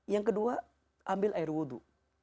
yang kedua ambil air wudhu